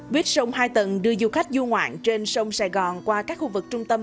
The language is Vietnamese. viết sông hai tận đưa du khách du ngoạn trên sông sài gòn qua các khu vực trung tâm